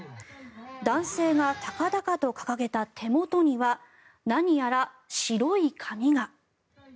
男性が高々と掲げた手元には何やら白い紙が。